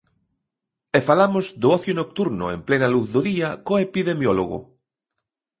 E falamos do ocio nocturno en plena luz do día co epidemiólogo.